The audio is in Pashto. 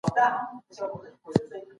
تاسې یوازې لیدلو او پلټلو ته اړتیا لرئ.